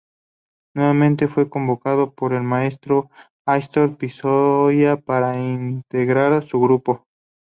Nuevamente fue convocado por el maestro Ástor Piazzolla para integrar su grupo.